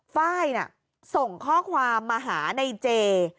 ไฟล์ส่งข้อความมาหาในเจ